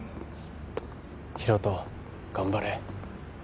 大翔頑張れ